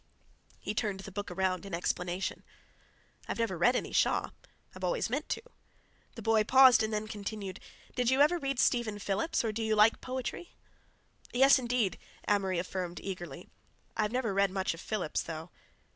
He turned the book around in explanation. "I've never read any Shaw. I've always meant to." The boy paused and then continued: "Did you ever read Stephen Phillips, or do you like poetry?" "Yes, indeed," Amory affirmed eagerly. "I've never read much of Phillips, though."